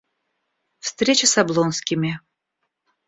Встреча с Облонскими.